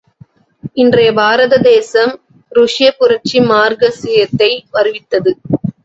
இன்றைய பாரத தேசம் ருஷ்யப் புரட்சி மார்க்சியத்தை அறிவித்தது.